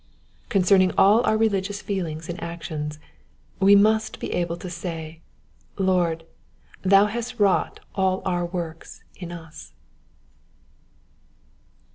Concerning all our religious feelings and actions, we mnst be able to say, " Lord, thou hast wrought all our works in us.